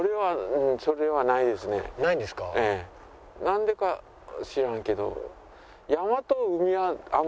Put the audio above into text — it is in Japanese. なんでか知らんけど。